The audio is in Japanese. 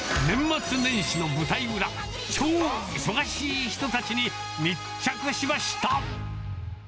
年末年始の舞台裏、超忙しい人たちに密着しました。